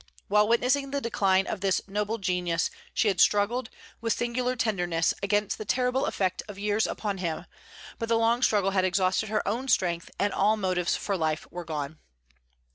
While witnessing the decline of this noble genius, she had struggled, with singular tenderness, against the terrible effect of years upon him; but the long struggle had exhausted her own strength, and all motives for life were gone."